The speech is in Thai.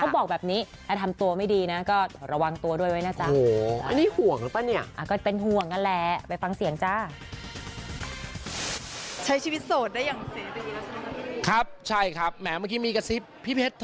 มันก็ทำอะไรก็ได้เลยแบบว่าอยากทำอะไรก็ทำ